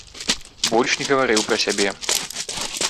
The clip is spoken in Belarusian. Больш не гаварыў пра сябе.